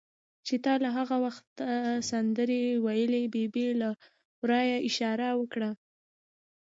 چې تا لا هغه وخت سندرې ویلې، ببۍ هم له ورایه اشاره وکړه.